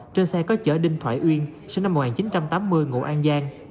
trên xe có chở đinh thoại uyên sinh năm một nghìn chín trăm tám mươi ngụ an giang